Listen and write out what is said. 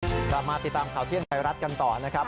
กลับมาติดตามข่าวเที่ยงไทยรัฐกันต่อนะครับ